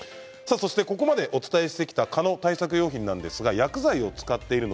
ここまでお伝えしてきた蚊の対策用品ですが薬剤を使っています。